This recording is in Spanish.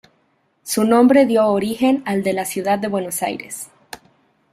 Su nombre dio origen al de la ciudad de Buenos Aires.